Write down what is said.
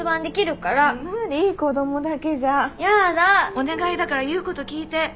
お願いだから言う事聞いて。